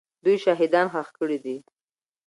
دوی شهیدان ښخ کړي دي.